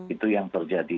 itu yang terjadi